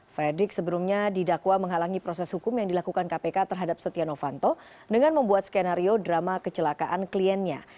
fredrik sebelumnya didakwa menghalangi proses hukum yang dilakukan kpk terhadap setia novanto dengan membuat skenario drama kecelakaan kliennya